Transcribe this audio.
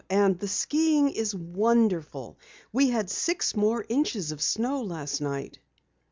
And the skiing is wonderful. We had six more inches of snow last night."